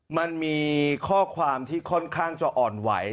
มันมีข้อความที่ค่อนข้างจะอ่อนไหว